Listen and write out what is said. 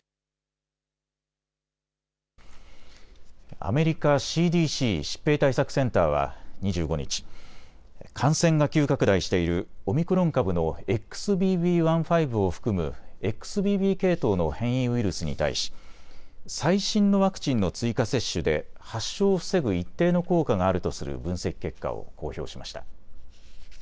アメリカＣＤＣ・疾病対策センターは２５日、感染が急拡大しているオミクロン株のＸＢＢ．１．５を含むＸＢＢ系統の変異ウイルスに対し最新のワクチンの追加接種で発症を防ぐ一定の効果があるとする分析結果を公表しました。